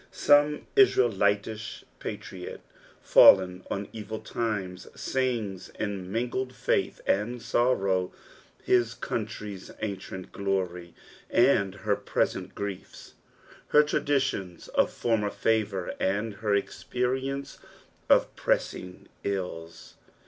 Some laraelitish patriolfalUnoneail limes, siagsin mingled failh and sorrow, (ia country' s ancieitl glory and her present griefs, her traditions <f former favour and her trprrience of pressing ills.